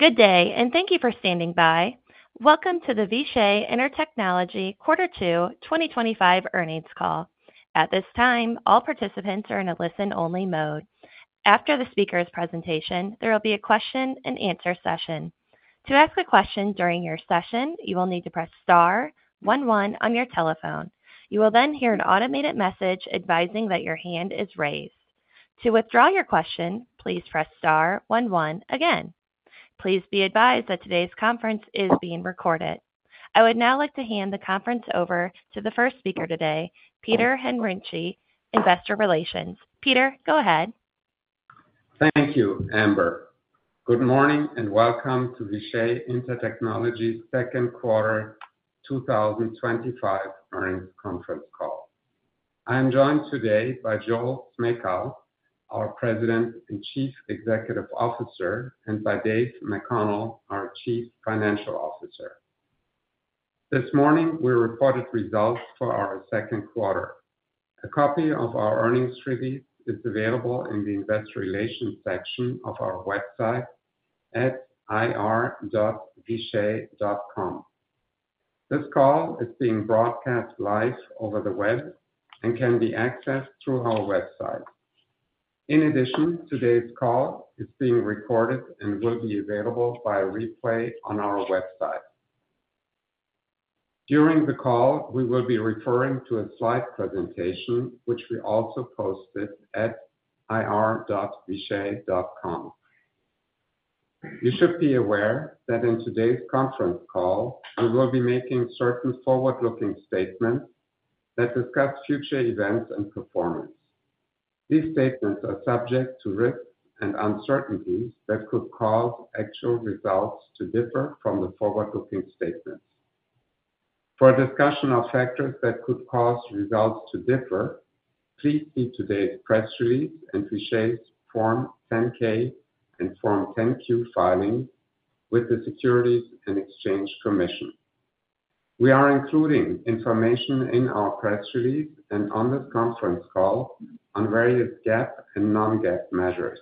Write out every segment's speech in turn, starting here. Good day, and thank you for standing by. Welcome to the Vishay Intertechnology Quarter Two 2025 Earnings Call. At this time, all participants are in a listen-only mode. After the speaker's presentation, there will be a question-and-answer session. To ask a question during your session, you will need to press star one one on your telephone. You will then hear an automated message advising that your hand is raised. To withdraw your question, please press star one one again. Please be advised that today's conference is being recorded. I would now like to hand the conference over to the first speaker today, Peter Henrici, Investor Relations. Peter, go ahead. Thank you, Amber. Good morning and welcome to Vishay Intertechnology's Second Quarter 2025 Earnings Conference Call. I am joined today by Joel Smejkal, our President and Chief Executive Officer, and by David McConnell, our Chief Financial Officer. This morning, we reported results for our second quarter. A copy of our earnings trivia is available in the investor relations section of our website at ir.vishay.com. This call is being broadcast live over the web and can be accessed through our website. In addition, today's call is being recorded and will be available via replay on our website. During the call, we will be referring to a slide presentation, which we also posted at ir.vishay.com. You should be aware that in today's conference call, we will be making certain forward-looking statements that discuss future events and performance. These statements are subject to risks and uncertainties that could cause actual results to differ from the forward-looking statements. For a discussion of factors that could cause results to differ, please see today's press release and Vishay's Form 10-K and Form 10-Q filings with the Securities and Exchange Commission. We are including information in our press release and on the conference call on various GAAP and non-GAAP measures.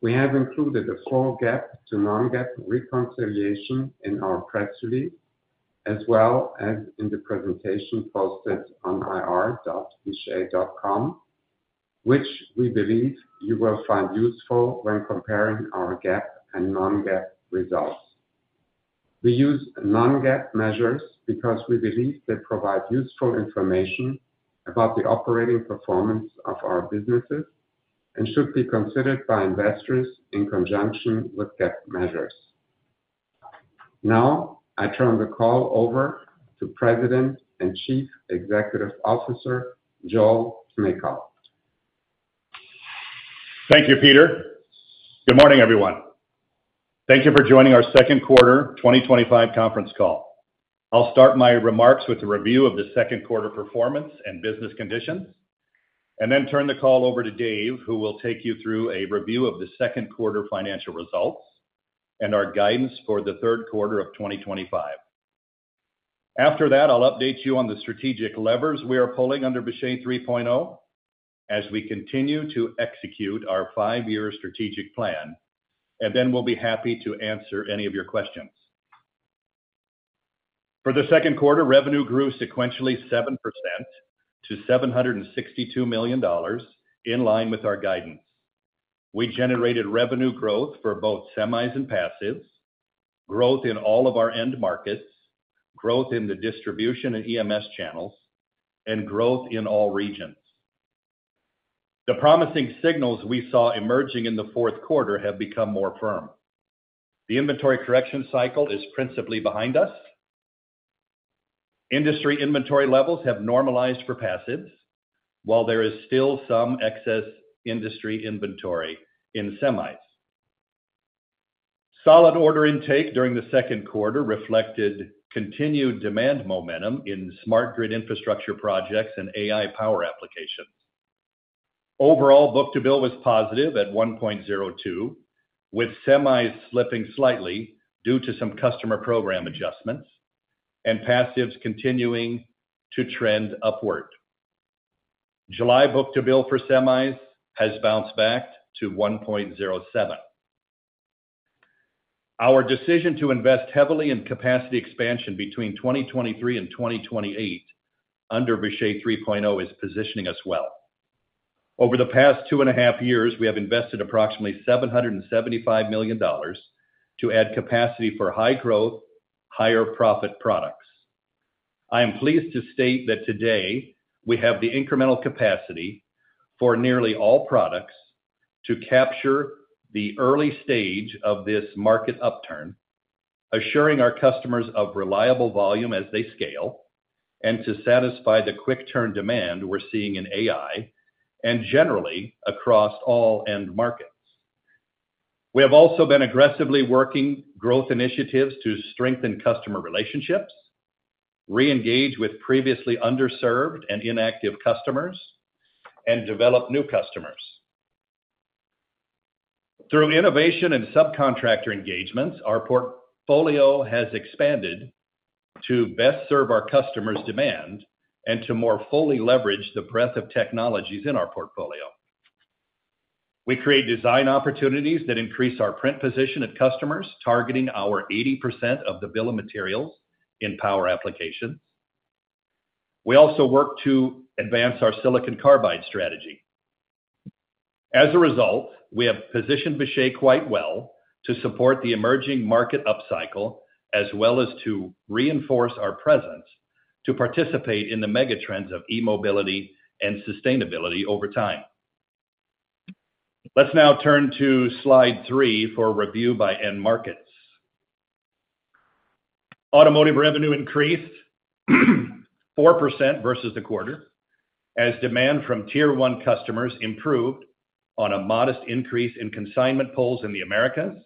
We have included a full GAAP to non-GAAP reconciliation in our press release, as well as in the presentation posted on ir.vishay.com, which we believe you will find useful when comparing our GAAP and non-GAAP results. We use non-GAAP measures because we believe they provide useful information about the operating performance of our businesses and should be considered by investors in conjunction with GAAP measures. Now, I turn the call over to President and Chief Executive Officer, Joel Smejkal. Thank you, Peter. Good morning, everyone. Thank you for joining our Second Quarter 2025 Conference Call. I'll start my remarks with a review of the second quarter performance and business conditions, and then turn the call over to Dave, who will take you through a review of the second quarter financial results and our guidance for the third quarter of 2025. After that, I'll update you on the strategic levers we are pulling under Vishay 3.0 as we continue to execute our five-year strategic plan, and then we'll be happy to answer any of your questions. For the second quarter, revenue grew sequentially 7% to $762 million, in line with our guidance. We generated revenue growth for both semis and passives, growth in all of our end markets, growth in the distribution and EMS channels, and growth in all regions. The promising signals we saw emerging in the fourth quarter have become more firm. The inventory correction cycle is principally behind us. Industry inventory levels have normalized for passives, while there is still some excess industry inventory in semis. Solid order intake during the second quarter reflected continued demand momentum in smart grid infrastructure projects and AI power applications. Overall, book-to-bill was positive at 1.02, with semis slipping slightly due to some customer program adjustments and passives continuing to trend upward. July book-to-bill for semis has bounced back to 1.07. Our decision to invest heavily in capacity expansion between 2023 and 2028 under Vishay 3.0 is positioning us well. Over the past two and a half years, we have invested approximately $775 million to add capacity for high growth, higher profit products. I am pleased to state that today we have the incremental capacity for nearly all products to capture the early stage of this market upturn, assuring our customers of reliable volume as they scale and to satisfy the quick-turn demand we're seeing in AI and generally across all end markets. We have also been aggressively working growth initiatives to strengthen customer relationships, re-engage with previously underserved and inactive customers, and develop new customers. Through innovation and subcontractor engagements, our portfolio has expanded to best serve our customers' demand and to more fully leverage the breadth of technologies in our portfolio. We create design opportunities that increase our print position at customers, targeting our 80% of the bill of materials in power application. We also work to advance our silicon carbide strategy. As a result, we have positioned Vishay Intertechnology quite well to support the emerging market upcycle, as well as to reinforce our presence to participate in the megatrends of e-mobility and sustainability over time. Let's now turn to slide 3 for review by end markets. Automotive revenue increased 4% versus the quarter, as demand from tier one customers improved on a modest increase in consignment pulls in the Americas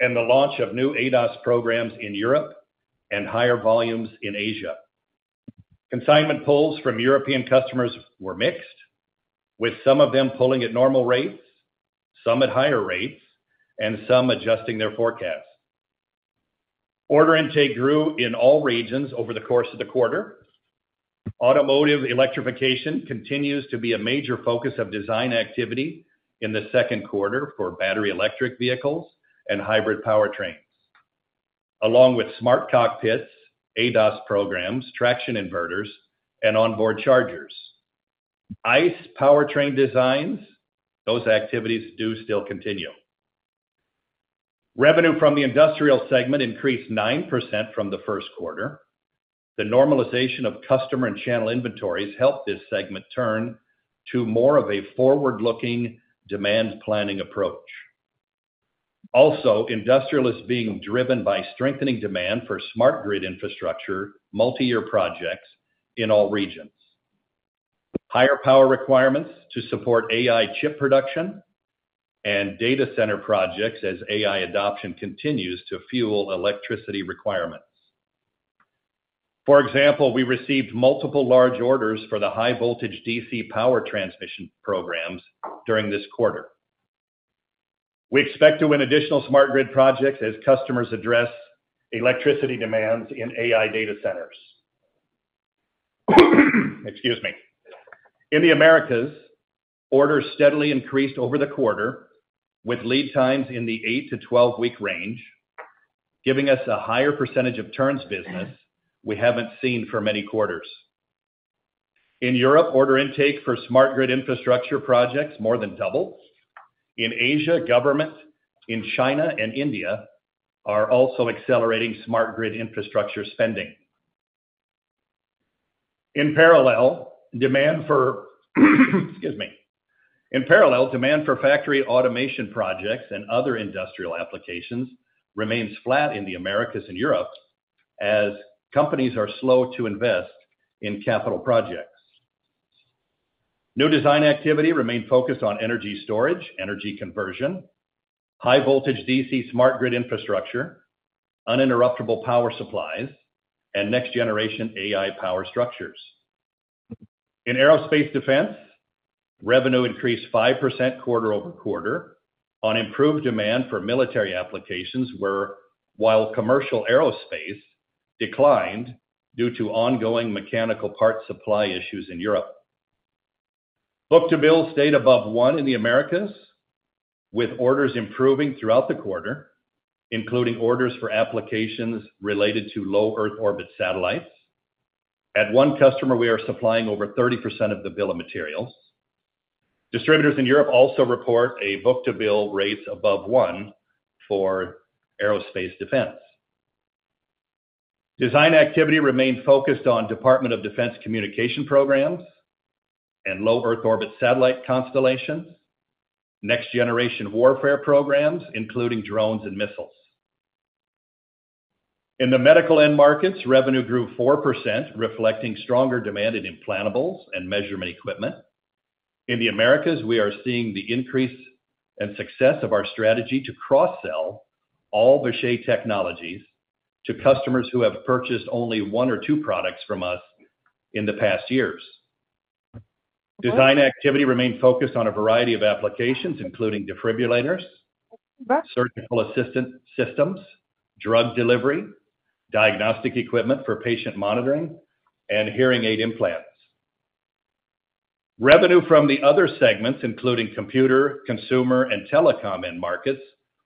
and the launch of new ADAS programs in Europe and higher volumes in Asia. Consignment pulls from European customers were mixed, with some of them pulling at normal rates, some at higher rates, and some adjusting their forecasts. Order intake grew in all regions over the course of the quarter. Automotive electrification continues to be a major focus of design activity in the second quarter for battery electric vehicles and hybrid powertrains, along with smart cockpits, ADAS programs, traction inverters, and onboard chargers. ICE powertrain designs, those activities do still continue. Revenue from the industrial segment increased 9% from the first quarter. The normalization of customer and channel inventories helped this segment turn to more of a forward-looking demand planning approach. Also, industrialists are being driven by strengthening demand for smart grid infrastructure, multi-year projects in all regions. Higher power requirements to support AI chip production and data center projects as AI adoption continues to fuel electricity requirements. For example, we received multiple large orders for the high voltage DC power transmission programs during this quarter. We expect to win additional smart grid projects as customers address electricity demands in AI data centers. In the Americas, orders steadily increased over the quarter, with lead times in the eight to twelve-week range, giving us a higher percentage of turns business we haven't seen for many quarters. In Europe, order intake for smart grid infrastructure projects more than doubled. In Asia, government in China and India are also accelerating smart grid infrastructure spending. In parallel, demand for factory automation projects and other industrial applications remains flat in the Americas and Europe as companies are slow to invest in capital projects. New design activity remains focused on energy storage, energy conversion, high voltage DC smart grid infrastructure, uninterruptible power supplies, and next generation AI power structures. In aerospace defense, revenue increased 5% quarter over quarter on improved demand for military applications, while commercial aerospace declined due to ongoing mechanical parts supply issues in Europe. Book-to-bill stayed above one in the Americas, with orders improving throughout the quarter, including orders for applications related to low Earth orbit satellites. At one customer, we are supplying over 30% of the bill of materials. Distributors in Europe also report book-to-bill rates above one for aerospace defense. Design activity remains focused on Department of Defense communication programs and low Earth orbit satellite constellations, next generation warfare programs, including drones and missiles. In the medical end markets, revenue grew 4%, reflecting stronger demand in implantables and measurement equipment. In the Americas, we are seeing the increase and success of our strategy to cross-sell all Vishay technologies to customers who have purchased only one or two products from us in the past years. Design activity remains focused on a variety of applications, including defibrillators, surgical assistant systems, drug delivery, diagnostic equipment for patient monitoring, and hearing aid implants. Revenue from the other segments, including computer, consumer, and telecom end markets,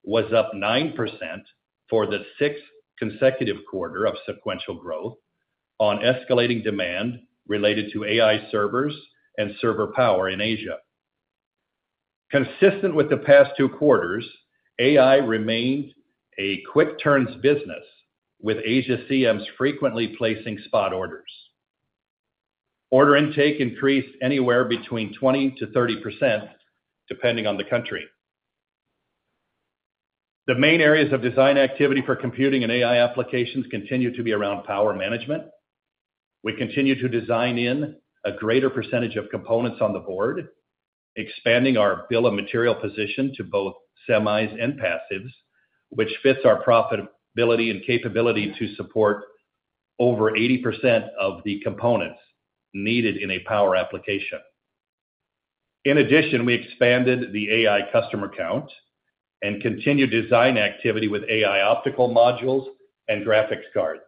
was up 9% for the sixth consecutive quarter of sequential growth on escalating demand related to AI servers and server power in Asia. Consistent with the past two quarters, AI remained a quick turns business, with Asia CMs frequently placing spot orders. Order intake increased anywhere between 20%-30%, depending on the country. The main areas of design activity for computing and AI applications continue to be around power management. We continue to design in a greater percentage of components on the board, expanding our bill of material position to both semis and passives, which fits our profitability and capability to support over 80% of the components needed in a power application. In addition, we expanded the AI customer count and continued design activity with AI optical modules and graphics cards.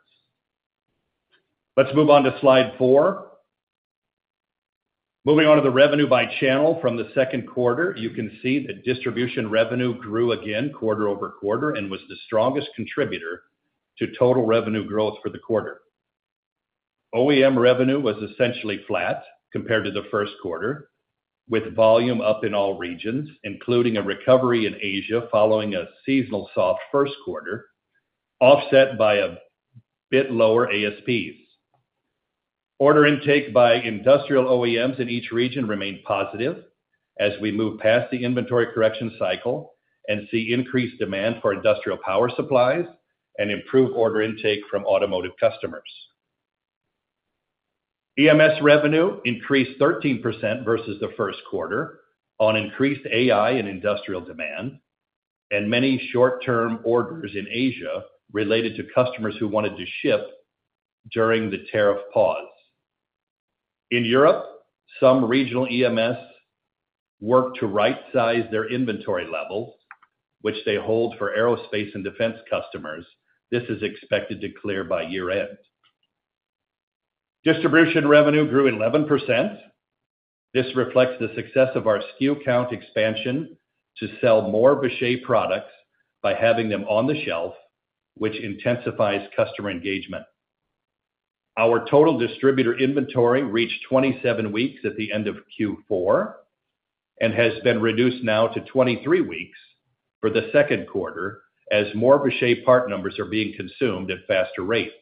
Let's move on to slide 4. Moving on to the revenue by channel from the second quarter, you can see that distribution revenue grew again quarter over quarter and was the strongest contributor to total revenue growth for the quarter. OEM revenue was essentially flat compared to the first quarter, with volume up in all regions, including a recovery in Asia following a seasonal soft first quarter, offset by a bit lower ASPs. Order intake by industrial OEMs in each region remained positive as we move past the inventory correction cycle and see increased demand for industrial power supplies and improved order intake from automotive customers. EMS revenue increased 13% versus the first quarter on increased AI and industrial demand and many short-term orders in Asia related to customers who wanted to ship during the tariff pause. In Europe, some regional EMS work to right-size their inventory levels, which they hold for aerospace and defense customers. This is expected to clear by year-end. Distribution revenue grew 11%. This reflects the success of our SKU count expansion to sell more Vishay products by having them on the shelf, which intensifies customer engagement. Our total distributor inventory reached 27 weeks at the end of Q4 and has been reduced now to 23 weeks for the second quarter as more Vishay part numbers are being consumed at faster rates.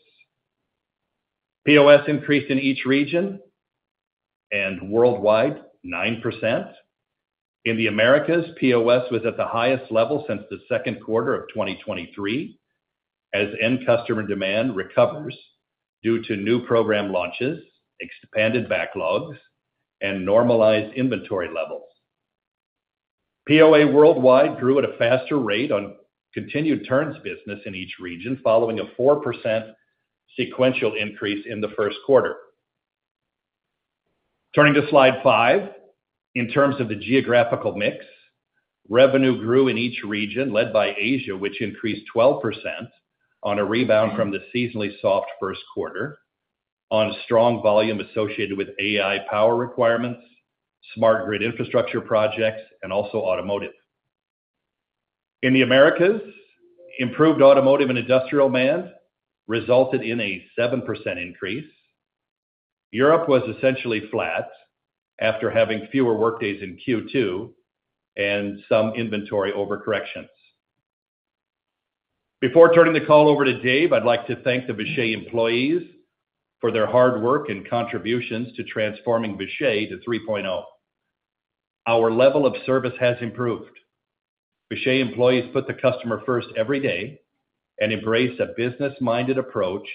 POS increased in each region and worldwide 9%. In the Americas, POS was at the highest level since the second quarter of 2023 as end customer demand recovers due to new program launches, expanded backlogs, and normalized inventory levels. POA worldwide grew at a faster rate on continued turns business in each region following a 4% sequential increase in the first quarter. Turning to slide 5, in terms of the geographical mix, revenue grew in each region led by Asia, which increased 12% on a rebound from the seasonally soft first quarter on strong volume associated with AI power requirements, smart grid infrastructure projects, and also automotive. In the Americas, improved automotive and industrial demand resulted in a 7% increase. Europe was essentially flat after having fewer workdays in Q2 and some inventory overcorrections. Before turning the call over to Dave, I'd like to thank the Vishay employees for their hard work and contributions to transforming Vishay to 3.0. Our level of service has improved. Vishay employees put the customer first every day and embrace a business-minded approach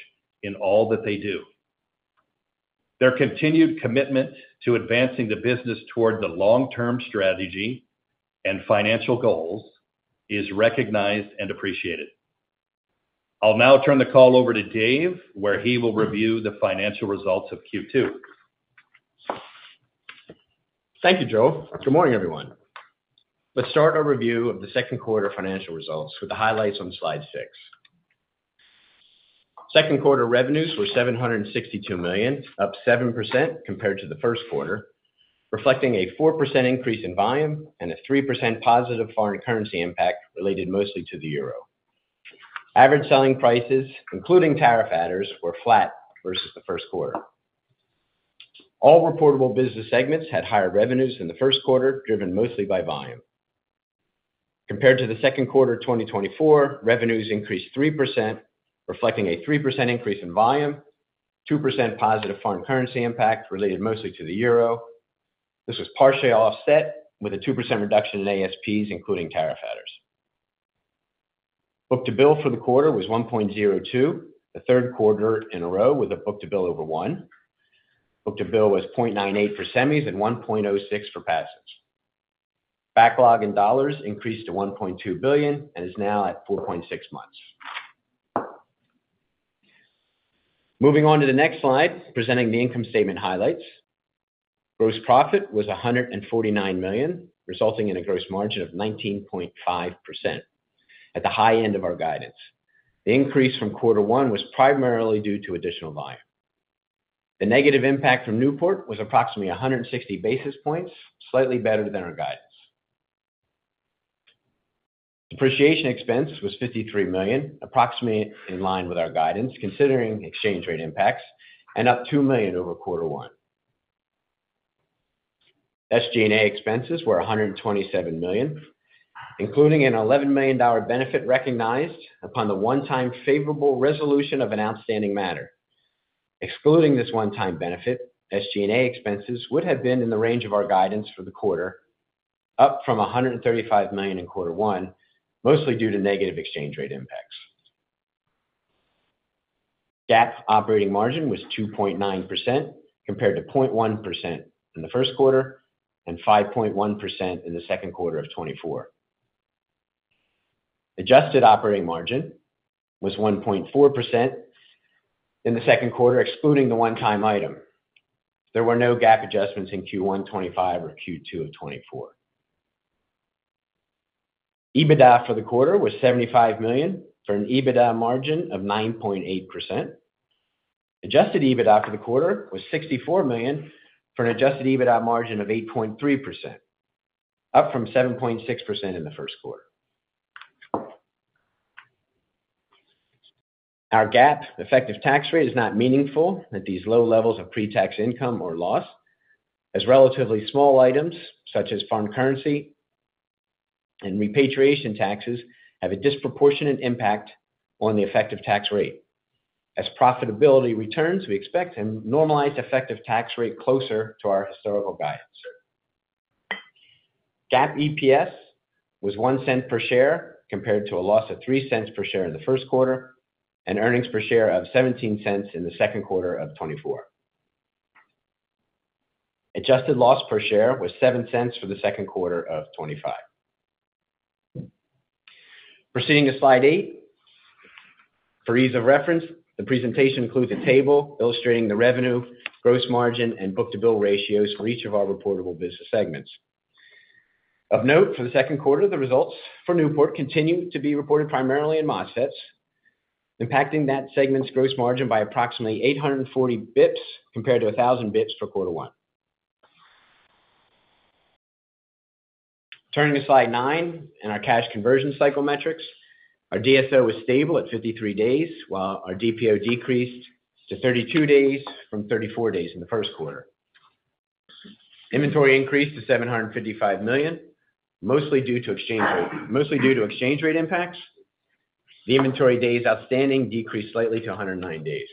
in all that they do. Their continued commitment to advancing the business toward the long-term strategy and financial goals is recognized and appreciated. I'll now turn the call over to Dave, where he will review the financial results of Q2. Thank you, Joe. Good morning, everyone. Let's start our review of the second quarter financial results with the highlights on slide 6. Second quarter revenues were $762 million, up 7% compared to the first quarter, reflecting a 4% increase in volume and a 3% positive foreign currency impact related mostly to the euro. Average selling prices, including tariff adders, were flat versus the first quarter. All reportable business segments had higher revenues in the first quarter, driven mostly by volume. Compared to the second quarter of 2024, revenues increased 3%, reflecting a 3% increase in volume, 2% positive foreign currency impact related mostly to the euro. This was partially offset with a 2% reduction in ASPs, including tariff adders. Book-to-bill for the quarter was 1.02, the third quarter in a row with a book-to-bill over one. Book-to-bill was 0.98 for semiconductors and 1.06 for passive components. Backlog in dollars increased to $1.2 billion and is now at 4.6 months. Moving on to the next slide, presenting the income statement highlights. Gross profit was $149 million, resulting in a gross margin of 19.5% at the high end of our guidance. The increase from quarter one was primarily due to additional volume. The negative impact from Newport was approximately 160 basis points, slightly better than our guidance. Depreciation expense was $53 million, approximately in line with our guidance, considering exchange rate impacts, and up $2 million over quarter one. SG&A expenses were $127 million, including an $11 million benefit recognized upon the one-time favorable resolution of an outstanding matter. Excluding this one-time benefit, SG&A expenses would have been in the range of our guidance for the quarter, up from $135 million in quarter one, mostly due to negative exchange rate impacts. GAAP operating margin was 2.9% compared to 0.1% in the first quarter and 5.1% in the second quarter of 2024. Adjusted operating margin was 1.4% in the second quarter, excluding the one-time item. There were no GAAP adjustments in Q1 2025 or Q2 of 2024. EBITDA for the quarter was $75 million for an EBITDA margin of 9.8%. Adjusted EBITDA for the quarter was $64 million for an adjusted EBITDA margin of 8.3%, up from 7.6% in the first quarter. Our GAAP effective tax rate is not meaningful at these low levels of pre-tax income or loss, as relatively small items such as foreign currency and repatriation taxes have a disproportionate impact on the effective tax rate. As profitability returns, we expect a normalized effective tax rate closer to our historical guidance. GAAP EPS was $0.01 per share compared to a loss of $0.03 per share in the first quarter and earnings per share of $0.17 in the second quarter of 2024. Adjusted loss per share was $0.07 for the second quarter of 2025. Proceeding to slide 8. For ease of reference, the presentation includes a table illustrating the revenue, gross margin, and book-to-bill ratios for each of our reportable business segments. Of note, for the second quarter, the results for Newport continue to be reported primarily in MOSFETs, impacting that segment's gross margin by approximately 840 basis points compared to 1,000 basis points for quarter one. Turning to slide 9 and our cash conversion cycle metrics, our DSO was stable at 53 days, while our DPO decreased to 32 days from 34 days in the first quarter. Inventory increased to $755 million, mostly due to exchange rate impacts. The inventory days outstanding decreased slightly to 109 days.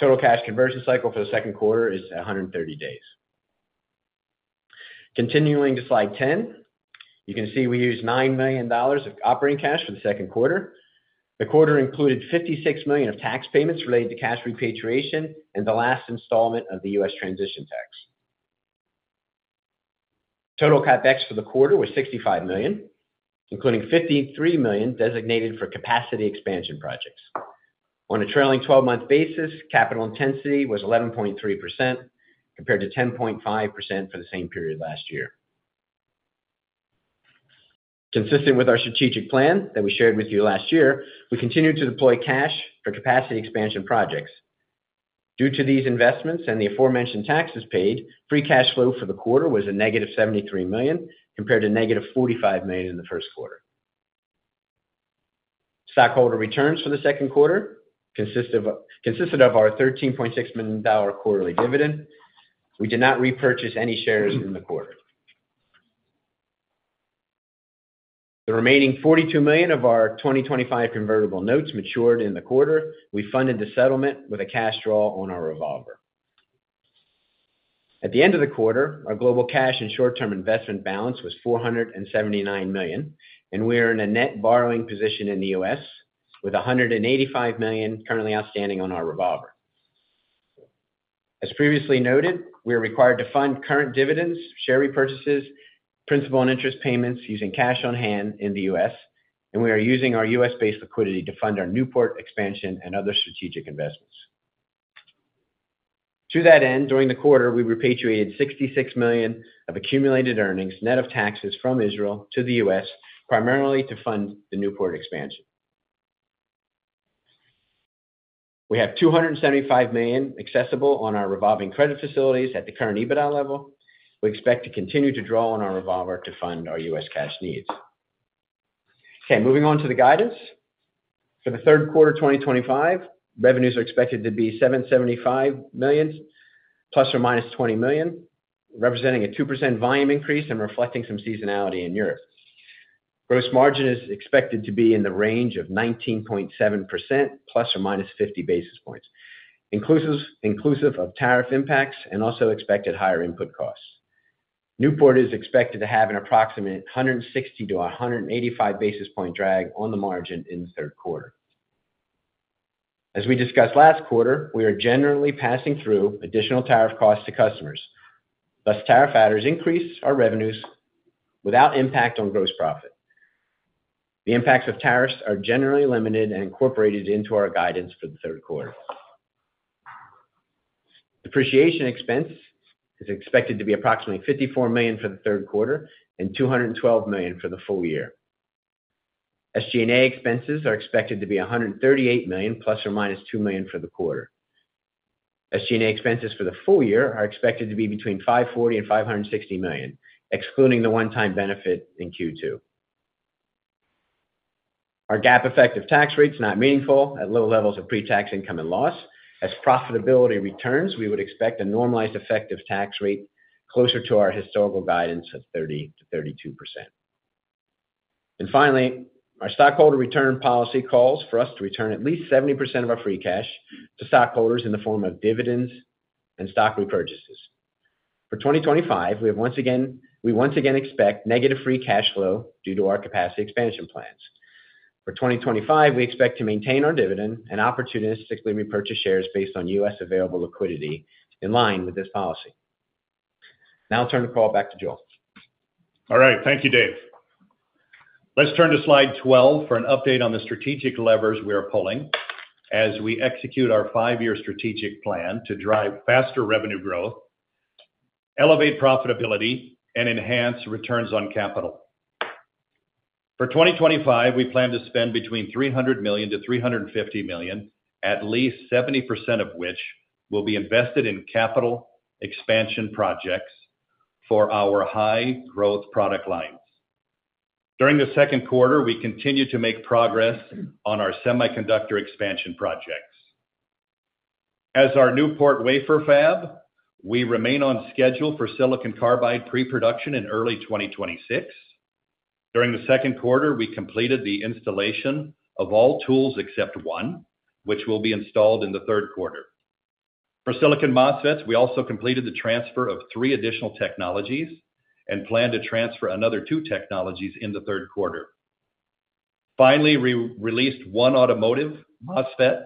Total cash conversion cycle for the second quarter is 130 days. Continuing to slide 10, you can see we used $9 million of operating cash for the second quarter. The quarter included $56 million of tax payments related to cash repatriation and the last installment of the U.S. transition tax. Total CapEx for the quarter was $65 million, including $53 million designated for capacity expansion projects. On a trailing 12-month basis, capital intensity was 11.3% compared to 10.5% for the same period last year. Consistent with our strategic plan that we shared with you last year, we continue to deploy cash for capacity expansion projects. Due to these investments and the aforementioned taxes paid, free cash flow for the quarter was a -$73 million compared to -$45 million in the first quarter. Stockholder returns for the second quarter consisted of our $13.6 million quarterly dividend. We did not repurchase any shares in the quarter. The remaining $42 million of our 2025 convertible notes matured in the quarter. We funded the settlement with a cash draw on our revolver. At the end of the quarter, our global cash and short-term investment balance was $479 million, and we are in a net borrowing position in the U.S. with $185 million currently outstanding on our revolver. As previously noted, we are required to fund current dividends, share repurchases, principal, and interest payments using cash on hand in the U.S., and we are using our U.S.-based liquidity to fund our Newport expansion and other strategic investments. To that end, during the quarter, we repatriated $66 million of accumulated earnings net of taxes from Israel to the U.S., primarily to fund the Newport expansion. We have $275 million accessible on our revolving credit facilities at the current EBITDA level. We expect to continue to draw on our revolver to fund our U.S. cash needs. Okay, moving on to the guidance. For the third quarter of 2025, revenues are expected to be $775 million ± $20 million, representing a 2% volume increase and reflecting some seasonality in Europe. Gross margin is expected to be in the range of 19.7% ± 50 basis points, inclusive of tariff impacts and also expected higher input costs. Newport is expected to have an approximate 160-185 basis point drag on the margin in the third quarter. As we discussed last quarter, we are generally passing through additional tariff costs to customers. Thus, tariff adders increase our revenues without impact on gross profit. The impacts of tariffs are generally limited and incorporated into our guidance for the third quarter. Depreciation expense is expected to be approximately $54 million for the third quarter and $212 million for the full year. SG&A expenses are expected to be $138 million ± $2 million for the quarter. SG&A expenses for the full year are expected to be between $540 million and $560 million, excluding the one-time benefit in Q2. Our GAAP effective tax rate is not meaningful at low levels of pre-tax income and loss. As profitability returns, we would expect a normalized effective tax rate closer to our historical guidance of 30%-32%. Finally, our stockholder return policy calls for us to return at least 70% of our free cash to stockholders in the form of dividends and stock repurchases. For 2025, we once again expect negative free cash flow due to our capacity expansion plans. For 2025, we expect to maintain our dividend and opportunistically repurchase shares based on U.S. available liquidity in line with this policy. Now I'll turn the call back to Joel. All right, thank you, Dave. Let's turn to slide 12 for an update on the strategic levers we are pulling as we execute our five-year strategic plan to drive faster revenue growth, elevate profitability, and enhance returns on capital. For 2025, we plan to spend between $300 million-$350 million, at least 70% of which will be invested in capital expansion projects for our high growth product lines. During the second quarter, we continue to make progress on our semiconductor expansion projects. At our Newport wafer fab, we remain on schedule for silicon carbide pre-production in early 2026. During the second quarter, we completed the installation of all tools except one, which will be installed in the third quarter. For silicon MOSFETs, we also completed the transfer of three additional technologies and plan to transfer another two technologies in the third quarter. Finally, we released one automotive MOSFET,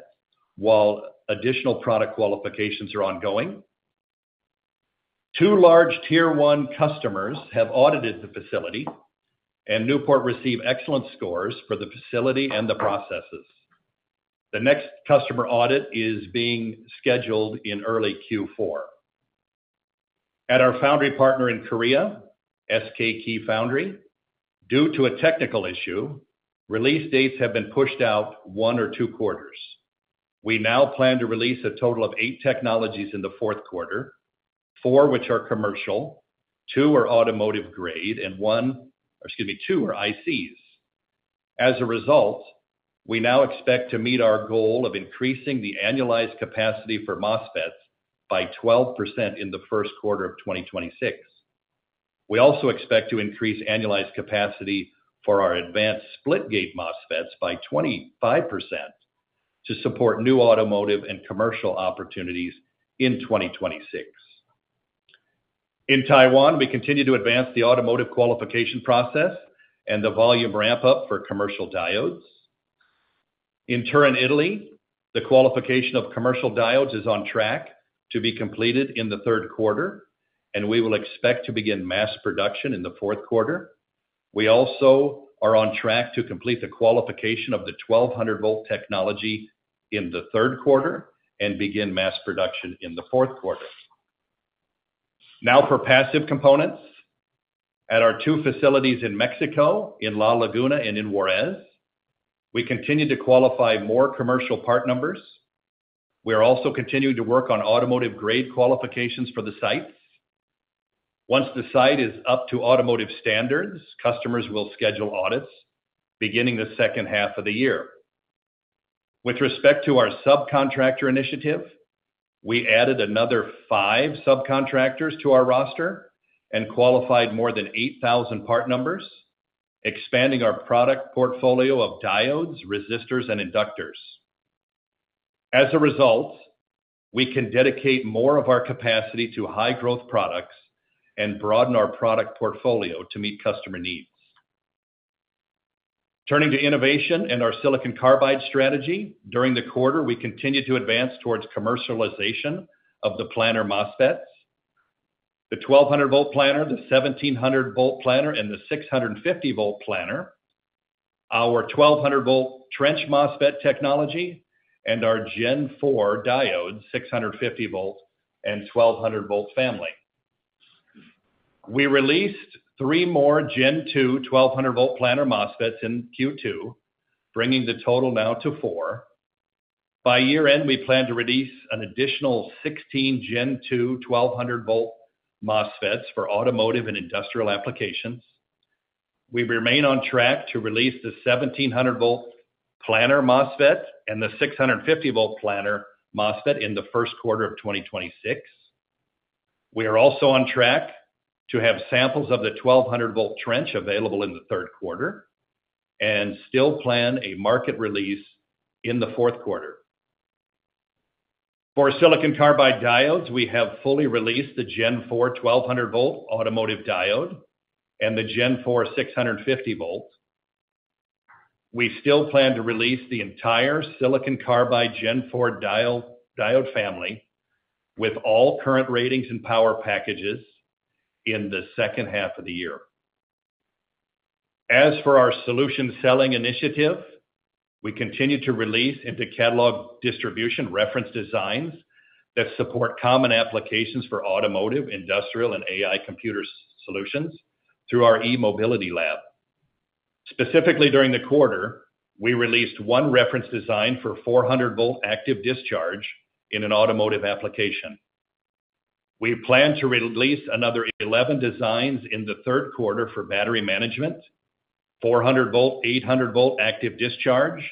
while additional product qualifications are ongoing. Two large tier one customers have audited the facility, and Newport received excellent scores for the facility and the processes. The next customer audit is being scheduled in early Q4. At our foundry partner in Korea, SK Key Foundry, due to a technical issue, release dates have been pushed out one or two quarters. We now plan to release a total of eight technologies in the fourth quarter, four of which are commercial, two are automotive grade, and two are ICs. As a result, we now expect to meet our goal of increasing the annualized capacity for MOSFETs by 12% in the first quarter of 2026. We also expect to increase annualized capacity for our advanced split gate MOSFETs by 25% to support new automotive and commercial opportunities in 2026. In Taiwan, we continue to advance the automotive qualification process and the volume ramp-up for commercial diodes. In Turin, Italy, the qualification of commercial diodes is on track to be completed in the third quarter, and we expect to begin mass production in the fourth quarter. We also are on track to complete the qualification of the 1200 V technology in the third quarter and begin mass production in the fourth quarter. Now for passive components, at our two facilities in Mexico, in La Laguna and in Juarez, we continue to qualify more commercial part numbers. We are also continuing to work on automotive grade qualifications for the sites. Once the site is up to automotive standards, customers will schedule audits beginning the second half of the year. With respect to our subcontractor initiative, we added another five subcontractors to our roster and qualified more than 8,000 part numbers, expanding our product portfolio of diodes, resistors, and inductors. As a result, we can dedicate more of our capacity to high growth products and broaden our product portfolio to meet customer needs. Turning to innovation and our silicon carbide strategy, during the quarter, we continue to advance towards commercialization of the planar MOSFETs, the 1200 V planar, the 1700 V planar, and the 650 V planar, our 1200 V trench MOSFET technology, and our Gen 4 diode, 650 V and 1200 V family. We released three more Gen 2 1200 V planar MOSFETs in Q2, bringing the total now to four. By year-end, we plan to release an additional 16 Gen 2 1200 V MOSFETs for automotive and industrial applications. We remain on track to release the 1700 V planar MOSFET and the 650 V planar MOSFET in the first quarter of 2026. We are also on track to have samples of the 1200 V trench available in the third quarter and still plan a market release in the fourth quarter. For silicon carbide diodes, we have fully released the Gen 4 1200 V automotive diode and the Gen 4 650 V. We still plan to release the entire silicon carbide Gen 4 diode family with all current ratings and power packages in the second half of the year. As for our solution selling initiative, we continue to release into catalog distribution reference designs that support common applications for automotive, industrial, and AI computer solutions through our e-mobility lab. Specifically, during the quarter, we released one reference design for 400 V active discharge in an automotive application. We plan to release another 11 designs in the third quarter for battery management, 400 V, 800 V active discharge,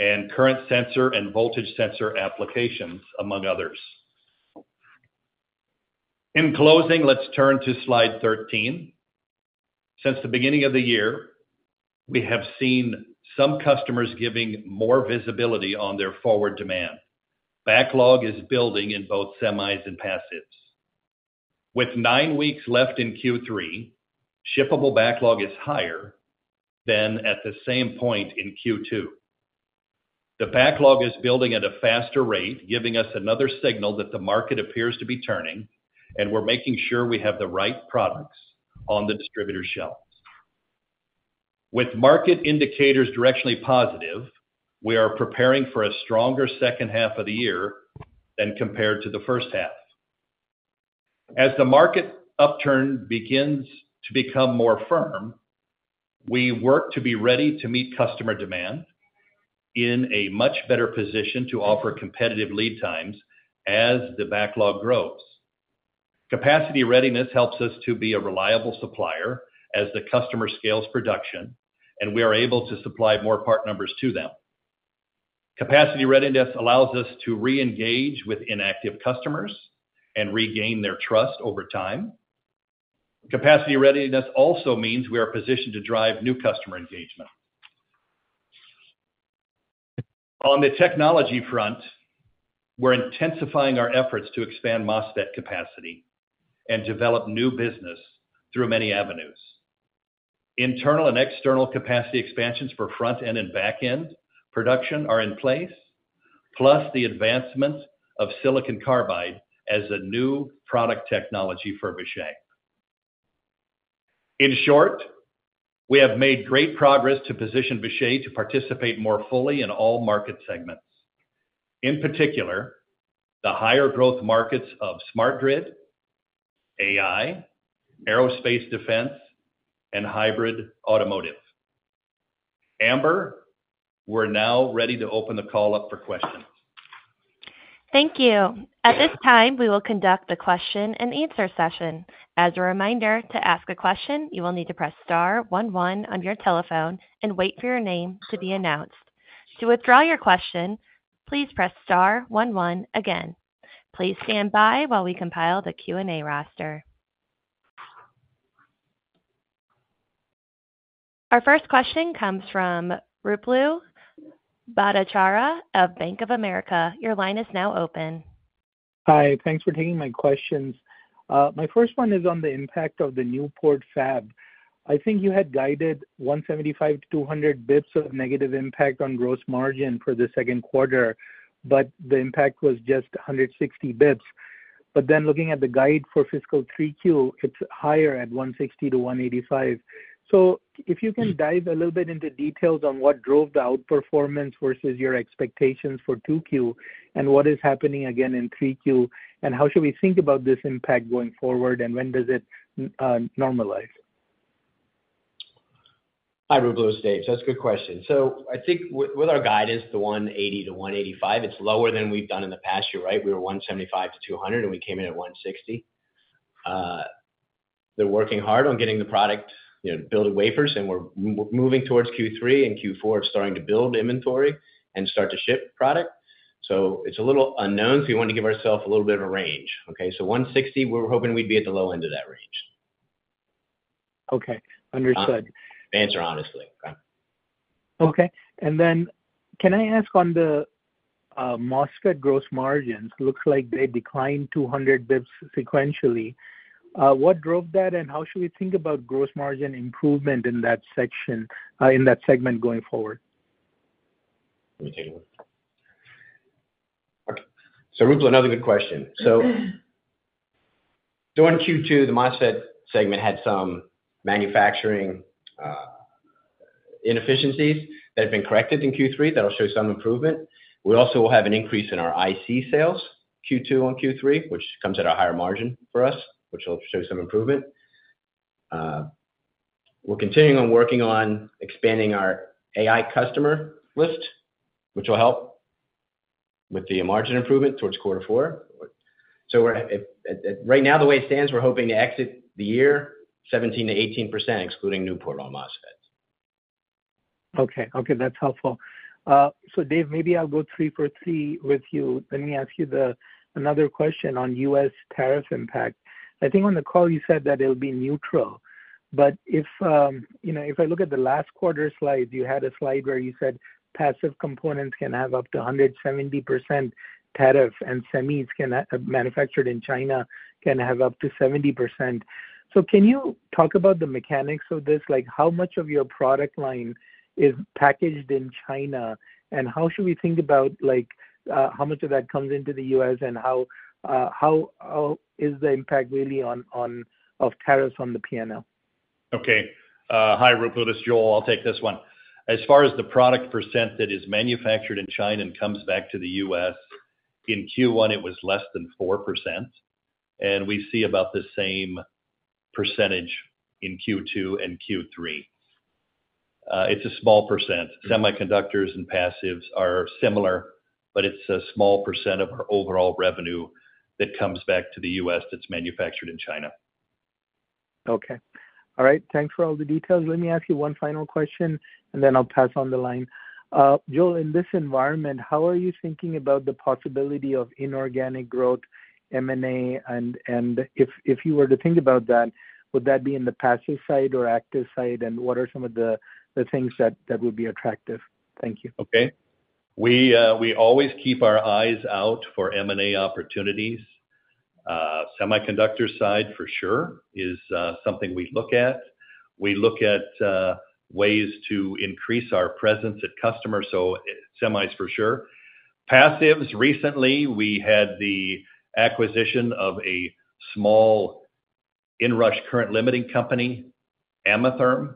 and current sensor and voltage sensor applications, among others. In closing, let's turn to slide 13. Since the beginning of the year, we have seen some customers giving more visibility on their forward demand. Backlog is building in both semis and passives. With nine weeks left in Q3, shippable backlog is higher than at the same point in Q2. The backlog is building at a faster rate, giving us another signal that the market appears to be turning, and we're making sure we have the right products on the distributor shelves. With market indicators directionally positive, we are preparing for a stronger second half of the year than compared to the first half. As the market upturn begins to become more firm, we work to be ready to meet customer demand in a much better position to offer competitive lead times as the backlog grows. Capacity readiness helps us to be a reliable supplier as the customer scales production, and we are able to supply more part numbers to them. Capacity readiness allows us to re-engage with inactive customers and regain their trust over time. Capacity readiness also means we are positioned to drive new customer engagement. On the technology front, we're intensifying our efforts to expand MOSFET capacity and develop new business through many avenues. Internal and external capacity expansions for front-end and back-end production are in place, plus the advancements of silicon carbide as a new product technology for Vishay. In short, we have made great progress to position Vishay to participate more fully in all market segments. In particular, the higher growth markets of smart grid, AI, aerospace defense, and hybrid automotive. Amber, we're now ready to open the call up for questions. Thank you. At this time, we will conduct the question-and-answer session. As a reminder, to ask a question, you will need to press star one one on your telephone and wait for your name to be announced. To withdraw your question, please press star one one again. Please stand by while we compile the Q&A roster. Our first question comes from Ruplu Bhattacharya of Bank of America. Your line is now open. Hi, thanks for taking my questions. My first one is on the impact of the Newport fab. I think you had guided 175-200 basis points of negative impact on gross margin for the second quarter, but the impact was just 160 basis points. Looking at the guide for fiscal 3Q, it's higher at 160-185. If you can dive a little bit into details on what drove the outperformance versus your expectations for 2Q and what is happening again in 3Q and how should we think about this impact going forward and when does it normalize? Hi, Ruplu. That's a good question. I think with our guidance, the 180-185, it's lower than we've done in the past year, right? We were 175-200 and we came in at 160. They're working hard on getting the product, building wafers, and we're moving towards Q3 and Q4 of starting to build inventory and start to ship product. It's a little unknown. You want to give ourselves a little bit of a range. 160, we're hoping we'd be at the low end of that range. Okay, understood. Answer honestly. Okay, can I ask on the MOSFET gross margins? Looks like they declined 200 basis points sequentially. What drove that, and how should we think about gross margin improvement in that section, in that segment going forward? Let me take a look. Ruplu, another good question. During Q2, the MOSFET segment had some manufacturing inefficiencies that have been corrected in Q3, which will show some improvement. We also will have an increase in our IC sales Q2 on Q3, which comes at a higher margin for us, which will show some improvement. We're continuing on working on expanding our AI customer list, which will help with the margin improvement towards quarter four. Right now, the way it stands, we're hoping to exit the year 17%-18%, excluding Newport on MOSFETs. Okay, that's helpful. Dave, maybe I'll go three for three with you. Let me ask you another question on U.S. tariff impact. I think on the call you said that it'll be neutral, but if I look at the last quarter slides, you had a slide where you said passive components can have up to 170% tariff and semis manufactured in China can have up to 70%. Can you talk about the mechanics of this? How much of your product line is packaged in China and how should we think about how much of that comes into the U.S. and how is the impact really on tariffs on the P&L? Okay, hi Ruplu, this is Joel. I'll take this one. As far as the product percentage that is manufactured in China and comes back to the U.S., in Q1 it was less than 4% and we see about the same percentage in Q2 and Q3. It's a small percent. Semiconductors and passives are similar, but it's a small percent of our overall revenue that comes back to the U.S. that's manufactured in China. Okay, all right, thanks for all the details. Let me ask you one final question and then I'll pass on the line. Joel, in this environment, how are you thinking about the possibility of inorganic growth, M&A, and if you were to think about that, would that be in the passive side or active side, and what are some of the things that would be attractive? Thank you. Okay, we always keep our eyes out for M&A opportunities. Semiconductor side for sure is something we look at. We look at ways to increase our presence at customers, so semis for sure. Passives, recently we had the acquisition of a small inrush current limiting company, Amatherm.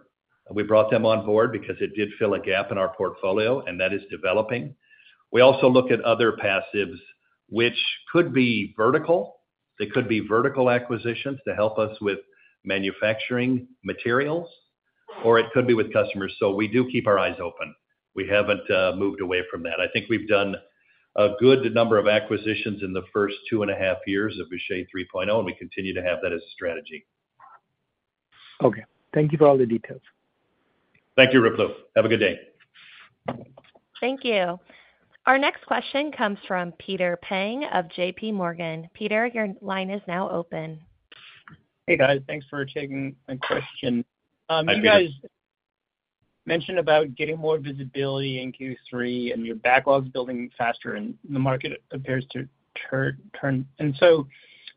We brought them on board because it did fill a gap in our portfolio and that is developing. We also look at other passives, which could be vertical. They could be vertical acquisitions to help us with manufacturing materials or it could be with customers. We do keep our eyes open. We haven't moved away from that. I think we've done a good number of acquisitions in the first two and a half years of Vishay 3.0 and we continue to have that as a strategy. Okay, thank you for all the details. Thank you, Ruplu. Have a good day. Thank you. Our next question comes from Peter Peng of JPMorgan. Peter, your line is now open. Hey guys, thanks for taking my question. You guys mentioned about getting more visibility in Q3 and your backlog's building faster and the market appears to turn.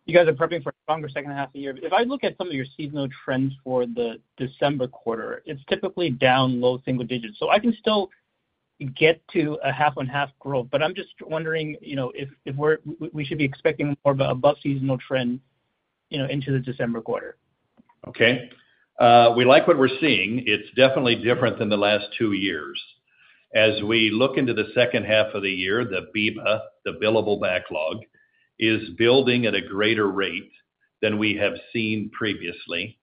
You guys are prepping for a stronger second half of the year. If I look at some of your seasonal trends for the December quarter, it's typically down low single digits. I can still get to a half on half growth, but I'm just wondering if we should be expecting more of an above seasonal trend into the December quarter. Okay, we like what we're seeing. It's definitely different than the last two years. As we look into the second half of the year, the billable backlog is building at a greater rate than we have seen previously.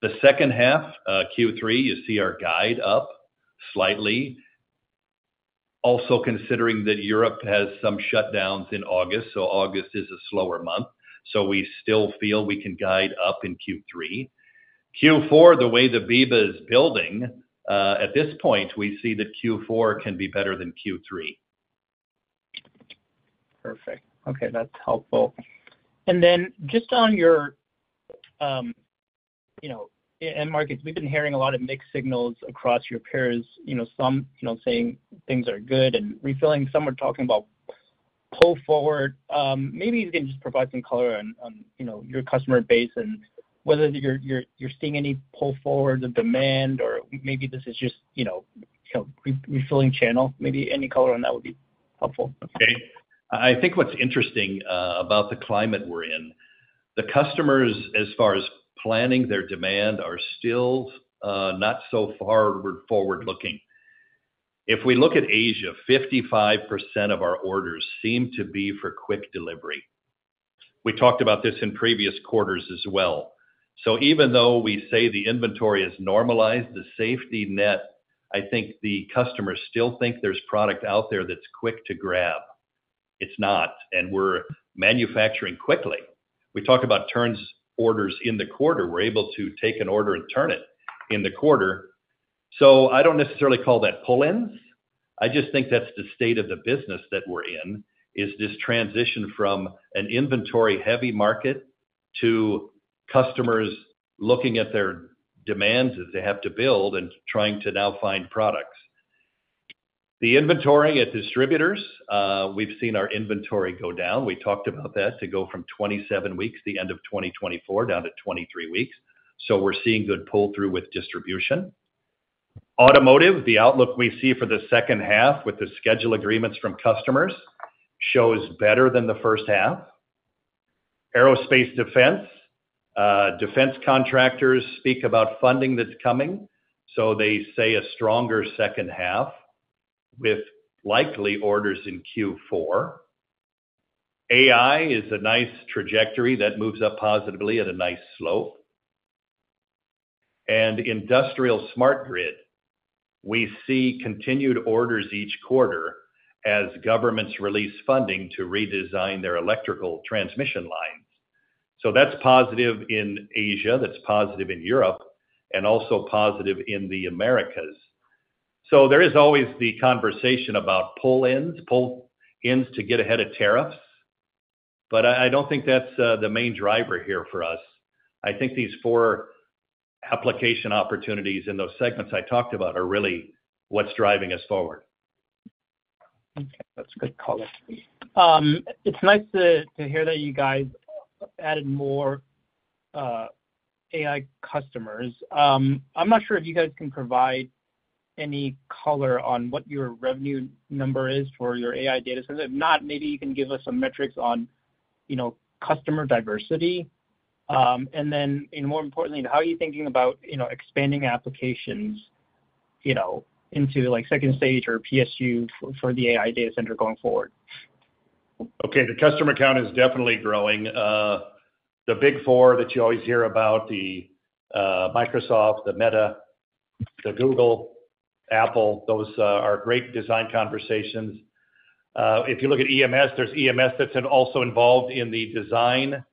The second half, Q3, you see our guide up slightly. Also considering that Europe has some shutdowns in August, August is a slower month. We still feel we can guide up in Q3. Q4, the way the billable backlog is building, at this point we see that Q4 can be better than Q3. Okay, that's helpful. Just on your end markets, we've been hearing a lot of mixed signals across your peers. Some saying things are good and refilling, some are talking about pull forward. Maybe you can just provide some color on your customer base and whether you're seeing any pull forward or demand, or maybe this is just refilling channel. Any color on that would be helpful. Okay, I think what's interesting about the climate we're in, the customers, as far as planning their demand, are still not so far forward looking. If we look at Asia, 55% of our orders seem to be for quick delivery. We talked about this in previous quarters as well. Even though we say the inventory has normalized, the safety net, I think the customers still think there's product out there that's quick to grab. It's not, and we're manufacturing quickly. We talk about turns orders in the quarter. We're able to take an order and turn it in the quarter. I don't necessarily call that pull-ins. I just think that's the state of the business that we're in, this transition from an inventory-heavy market to customers looking at their demand that they have to build and trying to now find products. The inventory at distributors, we've seen our inventory go down. We talked about that to go from 27 weeks the end of 2024 down to 23 weeks. We're seeing good pull-through with distribution. Automotive, the outlook we see for the second half with the schedule agreements from customers shows better than the first half. Aerospace defense, defense contractors speak about funding that's coming. They say a stronger second half with likely orders in Q4. AI is a nice trajectory that moves up positively at a nice slope. Industrial smart grid, we see continued orders each quarter as governments release funding to redesign their electrical transmission line. That's positive in Asia, that's positive in Europe, and also positive in the Americas. There is always the conversation about pull-ins, pull-ins to get ahead of tariffs, but I don't think that's the main driver here for us. I think these four application opportunities in those segments I talked about are really what's driving us forward. Okay, that's a good call. It's nice to hear that you guys added more AI customers. I'm not sure if you guys can provide any color on what your revenue number is for your AI data center. If not, maybe you can give us some metrics on, you know, customer diversity. More importantly, how are you thinking about, you know, expanding applications into like second stage or PSU for the AI data center going forward? Okay, the customer count is definitely growing. The big four that you always hear about, the Microsoft, the Meta, the Google, Apple, those are great design conversations. If you look at EMS, there's EMS that's also involved in the design,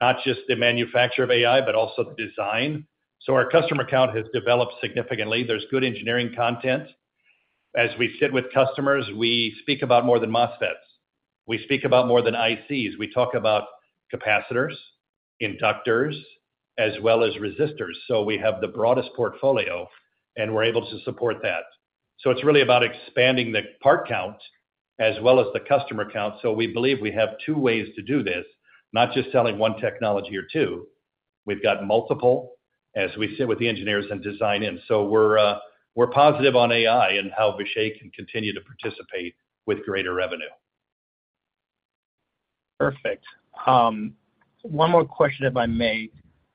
not just the manufacturer of AI, but also the design. Our customer count has developed significantly. There's good engineering content. As we sit with customers, we speak about more than MOSFETs. We speak about more than ICs. We talk about capacitors, inductors, as well as resistors. We have the broadest portfolio and we're able to support that. It's really about expanding the part count as well as the customer count. We believe we have two ways to do this, not just selling one technology or two. We've got multiple as we sit with the engineers and design in. We're positive on AI and how Vishay can continue to participate with greater revenue. Perfect. One more question if I may.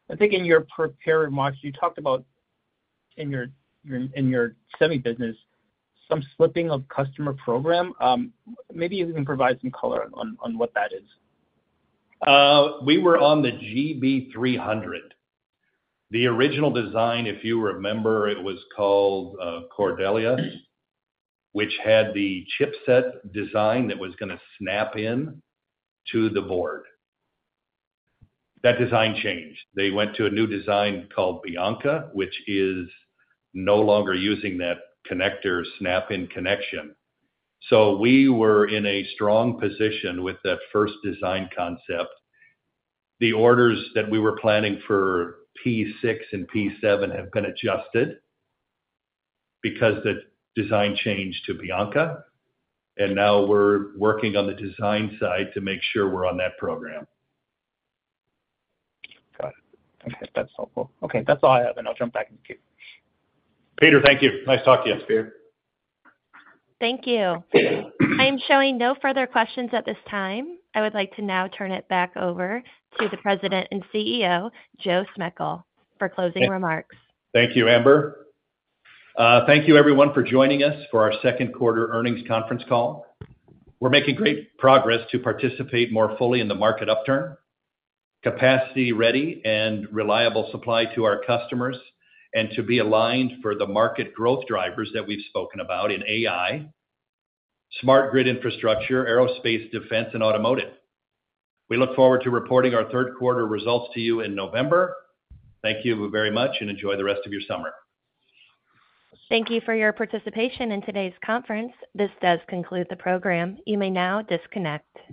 I think in your prepared market, you talked about in your semi business, some slipping of customer program. Maybe you can provide some color on what that is. We were on the GB300. The original design, if you remember, it was called Cordelia, which had the chipset design that was going to snap in to the board. That design changed. They went to a new design called Bianca, which is no longer using that connector snap-in connection. We were in a strong position with that first design concept. The orders that we were planning for P6 and P7 had been adjusted because the design changed to Bianca, and now we're working on the design side to make sure we're on that program. Got it. Okay, that's helpful. Okay, that's all I have, and I'll jump back in. Peter, thank you. Nice talking to you. Thank you. Thank you. I am showing no further questions at this time. I would like to now turn it back over to the President and CEO, Joel Smejkal, for closing remarks. Thank you, Amber. Thank you, everyone, for joining us for our second quarter earnings conference call. We're making great progress to participate more fully in the market upturn, capacity-ready and reliable supply to our customers, and to be aligned for the market growth drivers that we've spoken about in AI, smart grid infrastructure, aerospace, defense, and automotive. We look forward to reporting our third quarter results to you in November. Thank you very much, and enjoy the rest of your summer. Thank you for your participation in today's conference. This does conclude the program. You may now disconnect.